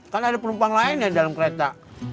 kan ada perempuan lain yang dalam kereta